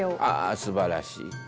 ああすばらしい。